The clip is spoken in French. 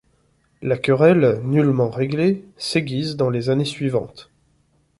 La querelle, nullement réglée, s'aiguise dans les années suivantes.